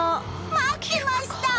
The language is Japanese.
待ってました！